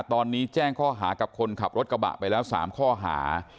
ตอนนี้แจ้งข้อหากับคนขับรถกระบะไปแล้ว๓ข้อหา